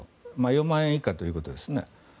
４万円以下ということですね。